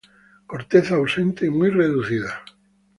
Corteza ausente o muy reducida.